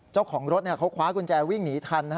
เจ้าของรถเขาคว้ากุญแจวิ่งหนีทัน